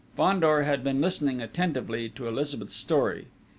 Fandor had been listening attentively to Elizabeth's story.